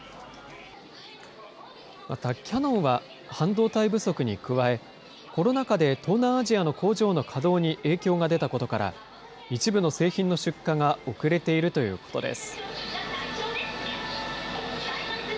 またキヤノンは、半導体不足に加え、コロナ禍で東南アジアの工場の稼働に影響が出たことから、一部の製品の出荷が遅れているということです。